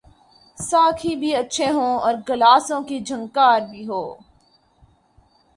ساقی بھی اچھے ہوں اور گلاسوں کی جھنکار بھی ہو۔